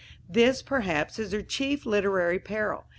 This, perhaps, is her chief literary peril.